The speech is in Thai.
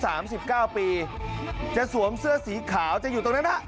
สามสิบเก้าปีจะสวมเสื้อสีขาวจะอยู่ตรงนั้นอ่ะ